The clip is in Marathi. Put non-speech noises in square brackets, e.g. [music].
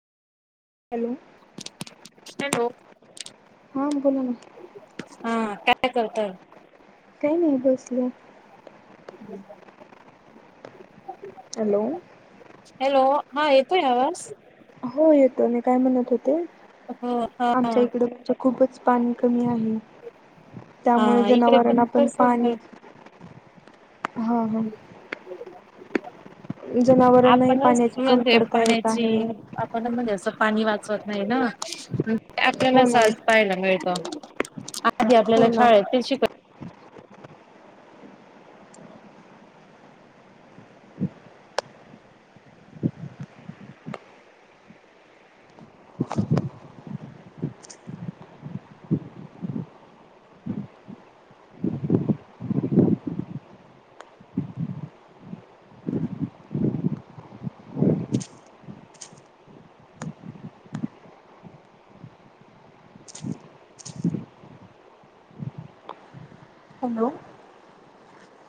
Hello hello. हां बोला ना. हा काय करताय? काही नाही बसलोय. [unintelligible] हॅलो हॅलो हा येतोय आवाज? हो येतो मी काय म्हणत होते, हो हा आमच्या इडकच खूपच पाणी कमी आहे. त्यामुळे हा इकडे जनावरांना पण तसच पाणी आहे. हा हा. जनावरांनाही आपणच पाण्याची [unintelligible] कमतरता येत पाण्याची आहे आपणच म्हणजे असं पाणी वाचवत नाही ना आपल्याला हो ना सहज प्यायला मिळतं. आधी हो आपल्याला ना शाळेत काय शिक हॅलो.